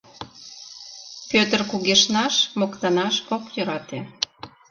Пӧтыр кугешнаш, моктанаш ок йӧрате.